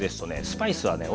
スパイスはね